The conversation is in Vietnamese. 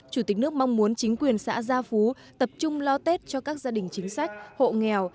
chủ tịch nước mong muốn chính quyền xã gia phú tập trung lo tết cho các gia đình chính sách hộ nghèo